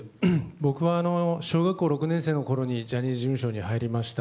僕は小学６年生のころにジャニーズ事務所に入りました。